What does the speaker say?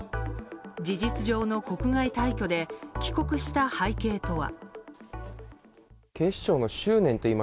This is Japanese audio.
事実上の国外退去で帰国した背景とは。